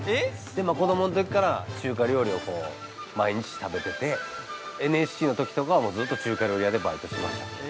子どもの時から中華料理を毎日食べていてＮＳＣのときとかはもうずっと中華料理屋でバイトしてました。